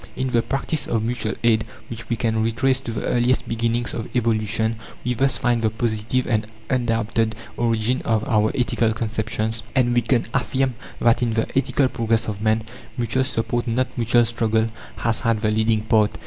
In the practice of mutual aid, which we can retrace to the earliest beginnings of evolution, we thus find the positive and undoubted origin of our ethical conceptions; and we can affirm that in the ethical progress of man, mutual support not mutual struggle has had the leading part.